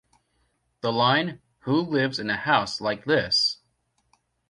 The line Who lives in a house like this?